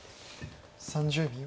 ３０秒。